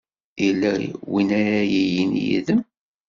Yella win ara yilin yid-m?